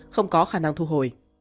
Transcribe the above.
không có khả năng thu hồi